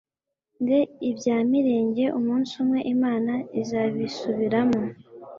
nze ibya mirenge umunsi umwe Imana izabisubiramo